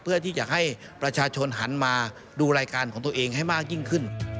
เพื่อที่จะให้ประชาชนหันมาดูรายการของตัวเองให้มากยิ่งขึ้น